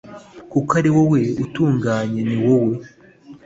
kuko ari wowe utunganye, ni wowe